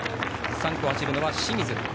３区を走るのは清水。